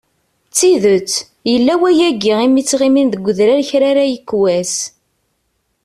D tidet, yella wayagi imi ttɣimin deg udrar kra ara yekk wass.